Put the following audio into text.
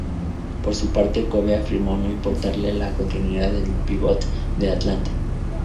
Por su parte, Kobe afirmó no importarle la no continuidad del pívot de Atlanta.